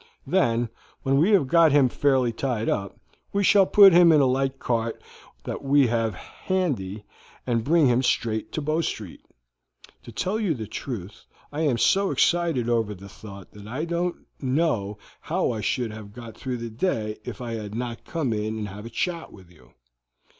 Then, when we have got him fairly tied up, we shall put him into a light cart that we shall have handy, and bring him straight to Bow Street. To tell you the truth, I am so excited over the thought that I do not know how I should have got through the day if I had not come in to have a chat with you."